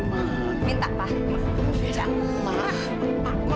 ma minta pak